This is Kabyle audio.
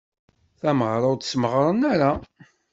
Tamaɣra ur tt-smaɣren ara.